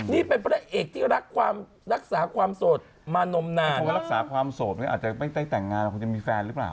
นี่เป็นพระเอกที่รักษาความโสดมานมนานรักษาความโสดอาจจะไม่ได้แต่งงานคงจะมีแฟนหรือเปล่า